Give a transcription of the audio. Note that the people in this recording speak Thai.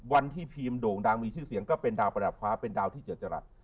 วันที่พีมโด่งดังมีชื่อเสียงก็เป็นดาวประดับฟ้าเป็นดาวที่เจอจรัส